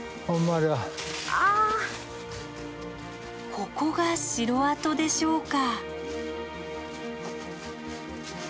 ここが城跡でしょうか。